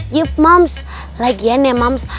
you moms lagian ya moms